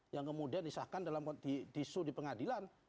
yang kemudian disahkan disul di pengadilan